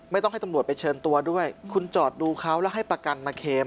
ให้ตำรวจไปเชิญตัวด้วยคุณจอดดูเขาแล้วให้ประกันมาเคม